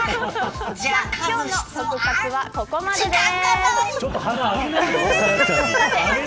今日のトク活はここまでです。